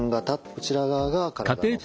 こちら側が体の外